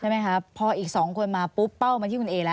ใช่ไหมครับพออีก๒คนมาปุ๊บเป้ามาที่คุณเอละ